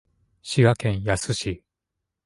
滋賀県野洲市